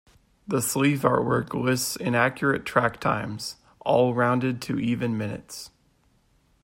The sleeve artwork lists inaccurate track times, all rounded to even minutes.